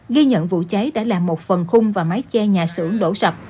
ghi nhận vụ cháy đã làm một phần khung và mái che nhà xưởng đổ sập